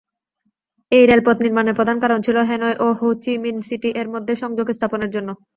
এই রেলপথ নির্মাণের প্রধান কারণ ছিল হ্যানয় ও হো চি মিন সিটি এর মধ্যে সংযোগ স্থাপনের জন্য।